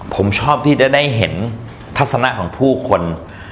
ผมชอบที่จะได้เห็นทัศนะของผู้คน